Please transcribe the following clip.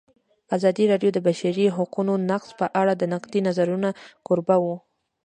ازادي راډیو د د بشري حقونو نقض په اړه د نقدي نظرونو کوربه وه.